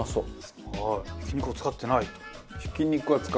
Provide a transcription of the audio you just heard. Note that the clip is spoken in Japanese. ひき肉を使ってないと。